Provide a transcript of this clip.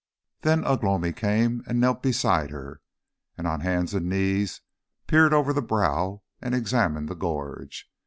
Then Ugh lomi came and knelt beside her, and on hands and knees peered over the brow and examined the gorge.